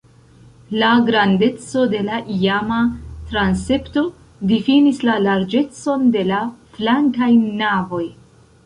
La grandeco de la iama transepto difinis la larĝecon de la flankaj navoj.